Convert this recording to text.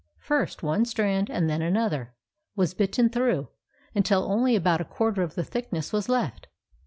First one strand and then another was bitten through, until only about a quar ter of the thickness was left.